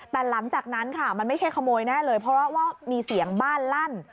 แต่หลังจากนั้นค่ะมันไม่ใช่ขโมยแน่เลยเพราะว่ามีเสียงบ้านลั่น